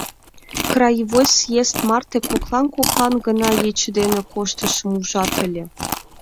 Краевой съезд марте коклан-коклан гына ече дене коштшым ужат ыле.